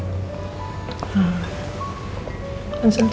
gak peduli sih